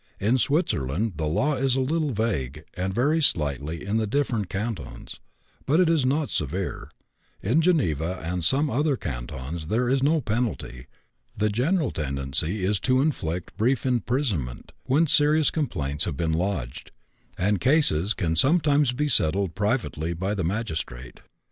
In Switzerland the law is a little vague and varies slightly in the different cantons, but it is not severe; in Geneva and some other cantons there is no penalty; the general tendency is to inflict brief imprisonment when serious complaints have been lodged, and cases can sometimes be settled privately by the magistrate.